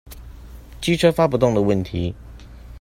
機車發不動的問題